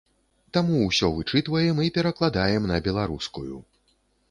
Таму ўсё вычытваем і перакладаем на беларускую.